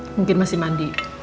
mungkin masih mandi